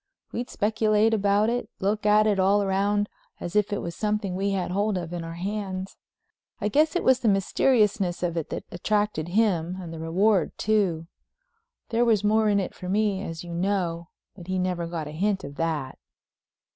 We'd speculate about it, look at it all round as if it was something we had hold of in our hands. I guess it was the mysteriousness of it that attracted him, and the reward, too. There was more in it for me as you know—but he never got a hint of that.